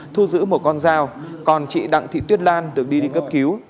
thu giữ một con dao còn chị đặng thị tuyết lan được đi đi cấp cứu